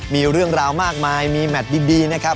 มีเรื่องราวมากมายมีแมทดีนะครับ